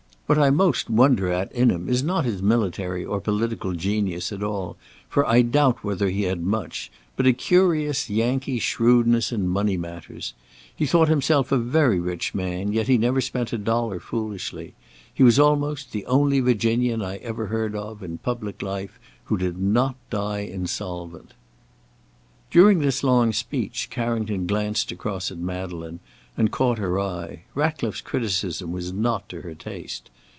What I most wonder at in him is not his military or political genius at all, for I doubt whether he had much, but a curious Yankee shrewdness in money matters. He thought himself a very rich man, yet he never spent a dollar foolishly. He was almost the only Virginian I ever heard of, in public life, who did not die insolvent." During this long speech, Carrington glanced across at Madeleine, and caught her eye. Ratcliffe's criticism was not to her taste.